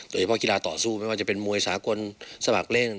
โดยเฉพาะกีฬาต่อสู้ไม่ว่าจะเป็นมวยสากลสมัครเล่น